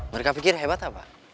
mereka pikir hebat apa